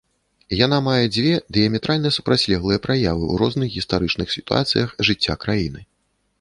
Яна мае дзве дыяметральна супрацьлеглыя праявы ў розных гістарычных сітуацыях жыцця краіны.